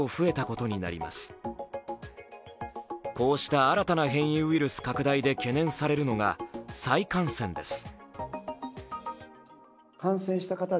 こうした新たな変異ウイルス拡大で懸念されるのが再感染です。